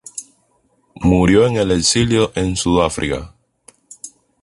Murió en el exilio en Sudáfrica.